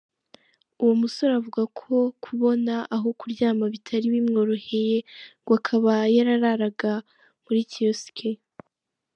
Uwo musore avuga ko kubona aho kuryama bitari bimworoheye ngo akaba yarararaga muri kiyosiki.